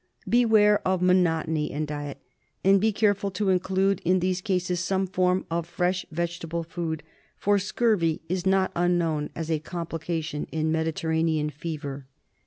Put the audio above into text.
Beware of monotony in diet ; and be careful to include in these cases some form of fresh vegetable food, for scurvy is not unknown as a complication in Mediter ranean Fever.